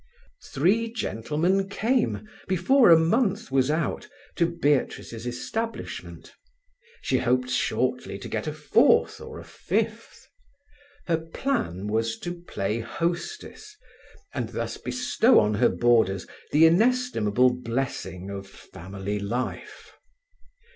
Three gentlemen came, before a month was out, to Beatrice's establishment. She hoped shortly to get a fourth or a fifth. Her plan was to play hostess, and thus bestow on her boarders the inestimable blessing of family life.